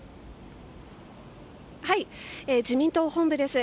自民党本部です。